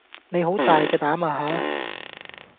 你好大嘅膽呀吓